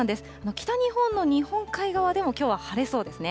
北日本の日本海側でも、きょうは晴れそうですね。